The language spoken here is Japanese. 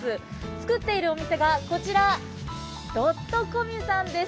作っているお店がこちらドットコミュさんです。